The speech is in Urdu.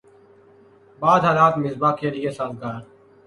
بعد حالات مصباح کے لیے سازگار